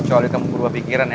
kecuali kamu berubah pikiran ya